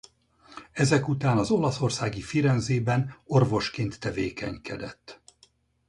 Ezek után az olaszországi Firenzében orvosként tevékenykedett.